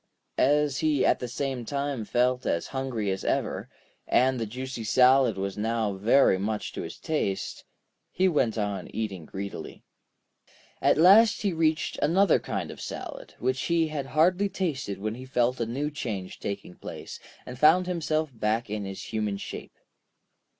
As he at the same time felt as hungry as ever, and the juicy salad was now very much to his taste, he went on eating greedily. At last he reached another kind of salad, which he had hardly tasted when he felt a new change taking place, and found himself back in his human shape.